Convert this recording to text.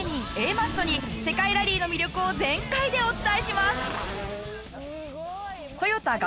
マッソに世界ラリーの魅力を全開でお伝えします。